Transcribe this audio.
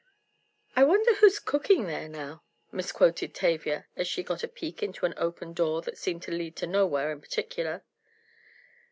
"I wonder who's cooking there now," misquoted Tavia, as she got a peek into an open door that seemed to lead to nowhere in particular.